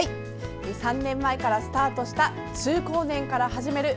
３年前からスタートした「中高年から始める！